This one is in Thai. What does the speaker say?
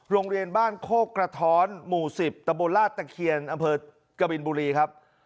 โรงเรียนบ้านโคกกระท้อนหมู่๑๐ตะบนลาดตะเคียนอำเภอกบินบุรีครับ